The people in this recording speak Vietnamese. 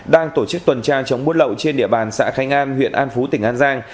đang tổ chức tuần tra chống bút lậu trên địa bàn xã khanh an huyện an phú tỉnh an giang